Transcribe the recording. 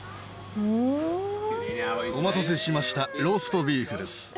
お待たせしましたローストビーフです。